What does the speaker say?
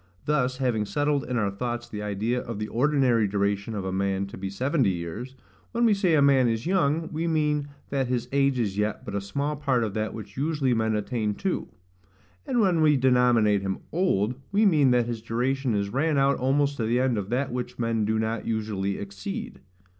Thus, having settled in our thoughts the idea of the ordinary duration of a man to be seventy years, when we say a man is YOUNG, we mean that his age is yet but a small part of that which usually men attain to; and when we denominate him OLD, we mean that his duration is run out almost to the end of that which men do not usually exceed.